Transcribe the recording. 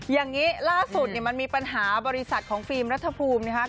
อย่างนี้ล่าสุดเนี่ยมันมีปัญหาบริษัทของฟิล์มรัฐภูมินะคะ